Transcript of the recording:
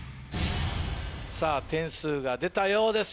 点数が出たようです